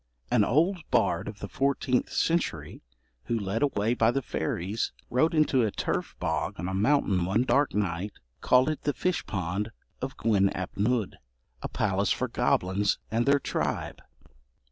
An old bard of the fourteenth century, who, led away by the fairies, rode into a turf bog on a mountain one dark night, called it the 'fish pond of Gwyn ap Nudd, a palace for goblins and their tribe.'